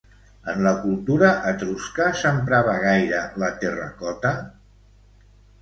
En la cultura etrusca, s'emprava gaire la terracota?